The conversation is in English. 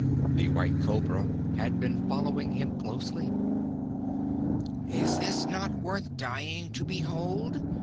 The White Cobra had been following him closely. "Is this not worth dying to behold?"